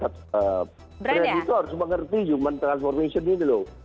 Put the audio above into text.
brand itu harus mengerti human transformation itu loh